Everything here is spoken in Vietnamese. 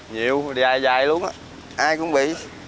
nhiều dài dài luôn á ai cũng bị